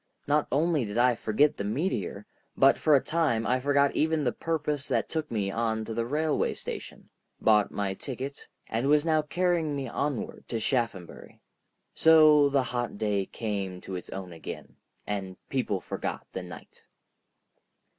Not only did I forget the meteor, but for a time I forgot even the purpose that took me on to the railway station, bought my ticket, and was now carrying me onward to Shaphambury. So the hot day came to its own again, and people forgot the night.